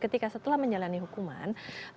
ketika setelah menjalani hukuman